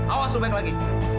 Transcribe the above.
awas lu baik lagi